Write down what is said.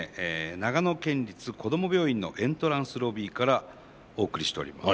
長野県立こども病院のエントランスロビーからお送りしております。